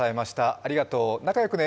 ありがとう、仲良くね。